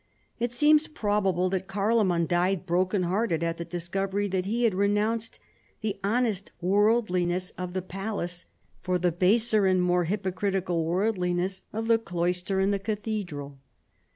It seems probable that Carloman died broken hearted at the discovery that he had renounced the honest worldliness of the palace for the baser and more hypocritical world liness of the cloister and the cathedral.